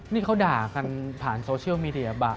นี่เขาด่ากันผ่านโซเชียลมีเดียบะ